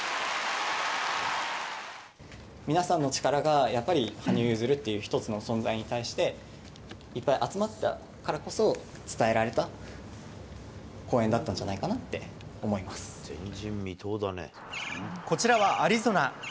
皆さんの力が、やっぱり羽生結弦っていう一つの存在に対して、いっぱい集まったからこそ伝えられた公演だったんじゃないかなっこちらはアリゾナ。